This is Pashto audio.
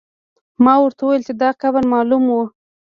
ما ورته وویل چې دا قبر معلوم و.